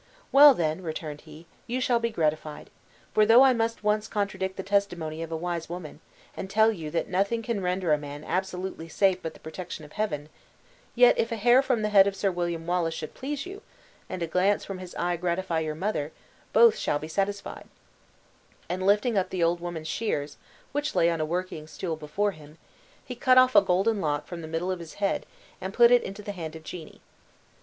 "Well, then," returned he, "you shall be gratified. For, though I must for once contradict the testimony of a wise woman, and tell you that nothing can render a man absolutely safe but the protection of Heaven, yet, if a hair from the head of Sir William Wallace would please you, and a glance from his eye gratify your mother, both shall be satisfied," and lifting up the old woman's shears, which lay on a working stool before him, he cut off a golden lock from the middle of his head and put it into the hand of Jeannie.